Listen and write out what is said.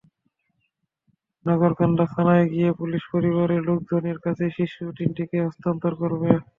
নগরকান্দা থানায় গিয়ে পুলিশ পরিবারের লোকজনের কাছে শিশু তিনটিকে হস্তান্তর করবে।